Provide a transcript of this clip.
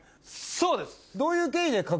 そうです！